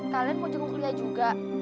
kalian mau jenguk lia juga